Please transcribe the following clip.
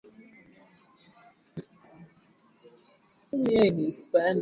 Nataka kuku